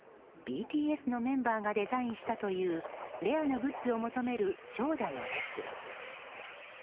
ＢＴＳのメンバーがデザインしたというレアなグッズを求める長蛇の列。